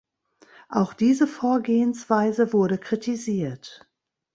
Auch diese Vorgehensweise wurde kritisiert.